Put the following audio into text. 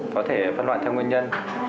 có thể phân loại theo nguyên nhân